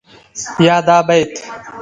يا دا بيت